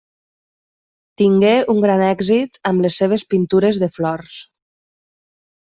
Tingué un gran èxit amb les seves pintures de flors.